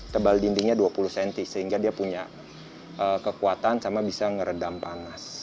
tebal dindingnya dua puluh cm sehingga dia punya kekuatan sama bisa ngeredam panas